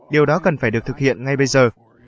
điều đó cần phải được thực hiện ngay bây giờ